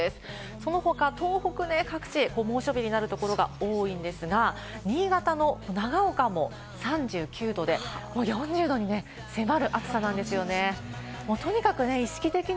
その他、東北各地、猛暑日になるところが多いんですが、新潟の長岡も３９度で、もう４０度に迫る暑さなんですよね。